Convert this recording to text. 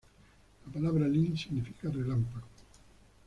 La palabra "Lyn" significa relámpago.